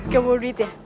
kamu mau duit ya